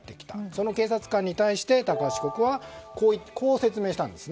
その警察官に対して高橋被告はこう説明したんです。